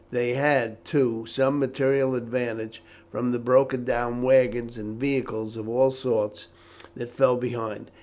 They had, too, some material advantage from the broken down waggons and vehicles of all sorts that fell behind.